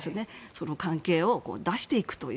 その関係を出していくと。